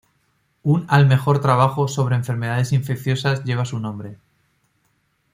Un al mejor trabajo sobre enfermedades infecciosas lleva su nombre.